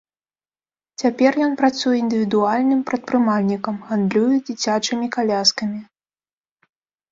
Цяпер ён працуе індывідуальным прадпрымальнікам, гандлюе дзіцячымі каляскамі.